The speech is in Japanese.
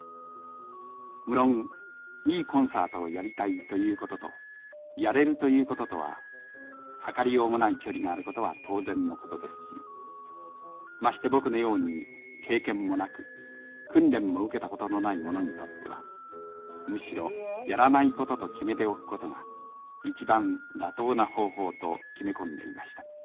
無論いいコンサートをやりたいということとやれるということとは測りようもない距離があることは当然のことですしまして僕のように経験もなく訓練も受けたことのない者にとってはむしろやらないことと決めておくことが一番妥当な方法と決め込んでいました。